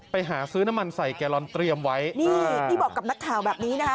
ไปหาซื้อน้ำมันใส่แกลลอนเตรียมไว้นี่นี่บอกกับนักข่าวแบบนี้นะคะ